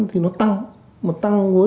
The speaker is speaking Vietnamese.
thì nó tăng mà tăng với